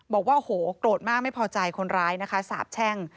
บอกว่าโอ้โหโกรธมากไม่พอใจคนร้ายนะคะสาบแช่ง